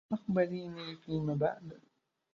أخبريني فيما بعد.